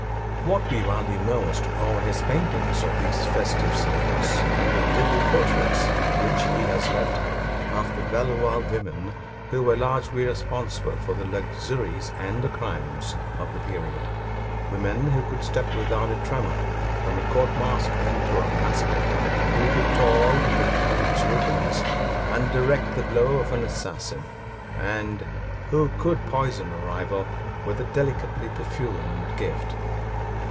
What we value most are his paintings of these festive scenes, and the vivid portraits which he has left of the Valois women, who were largely responsible for the luxuries and the crimes of the period: women who could step without a tremor from a court masque to a massacre; who could toy with a gallant's ribbons and direct the blow of an assassin; and who could poison a rival with a delicately perfumed gift.